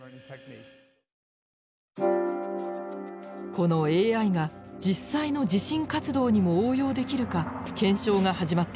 このＡＩが実際の地震活動にも応用できるか検証が始まっています。